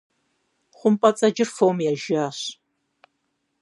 Хъумпӏэцӏэджхэр фом ежащ.